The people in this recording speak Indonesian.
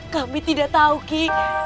kami tidak tahu ki